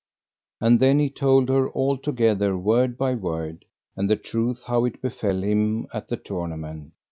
And then he told her altogether word by word, and the truth how it befell him at the tournament.